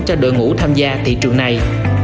cho đội ngũ tham gia thị trường này